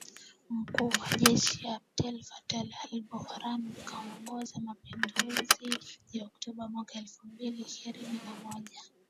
mkuu wa jeshi Abdel Fattah al-Burhan kuongoza mapinduzi ya Oktoba mwaka elfu mbili ishirini na moja